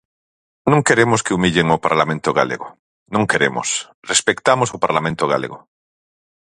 Non queremos que humillen o Parlamento galego, non queremos, respectamos o Parlamento galego.